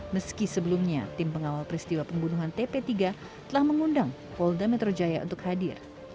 meski sebelumnya tim pengawal peristiwa pembunuhan tp tiga telah mengundang polda metro jaya untuk hadir